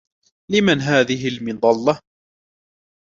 لمن هذه المظلة ؟